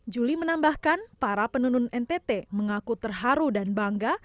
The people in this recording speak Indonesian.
juli menambahkan para penunun ntt mengaku terharu dan bangga